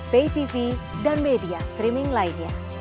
pay tv dan media streaming lainnya